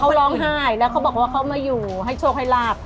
เขาร้องไห้แล้วเขาบอกว่าเขามาอยู่ให้โชคให้ลาบ